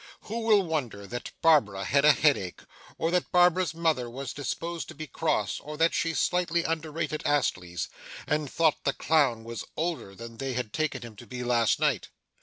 Who will wonder that Barbara had a headache, or that Barbara's mother was disposed to be cross, or that she slightly underrated Astley's, and thought the clown was older than they had taken him to be last night?